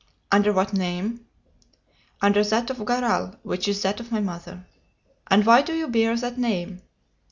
"Under what name?" "Under that of Garral, which is that of my mother." "And why do you bear that name?"